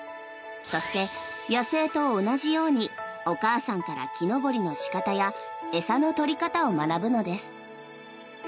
そして、野生と同じようにお母さんから木登りの仕方や餌の取り方を学ぶのです。